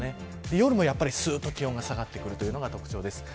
夜も、すーっと気温が下がってくるのが特徴です。